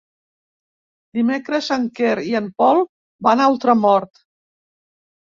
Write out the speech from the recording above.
Dimecres en Quer i en Pol van a Ultramort.